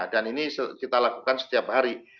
dan ini kita lakukan setiap hari